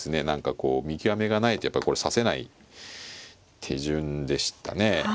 何かこう見極めがないとやっぱりこれ指せない手順でしたね。